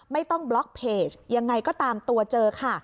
ต้องบล็อกเพจยังไงก็ตามตัวเจอค่ะ